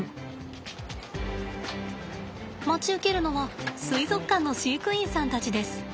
待ち受けるのは水族館の飼育員さんたちです。